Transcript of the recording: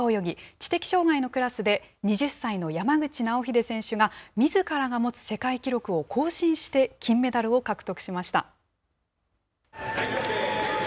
知的障害のクラスで２０歳の山口尚秀選手がみずからが持つ世界記録を更新して金メダルを獲得しました。